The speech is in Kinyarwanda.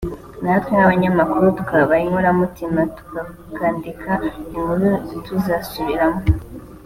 natwe nk’abanyamakuru tukaba inkomarume tukandika inkuru tuzasubiramo